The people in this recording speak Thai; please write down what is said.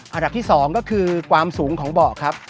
อันดับที่๒ก็คือความสูงของเบาะครับ